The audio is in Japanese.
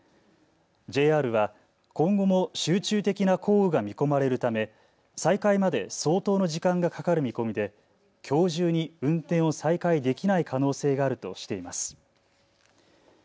ＪＲは今後も集中的な降雨が見込まれるため再開まで相当の時間がかかる見込みできょう中に運転を再開できない可能性があるとしています。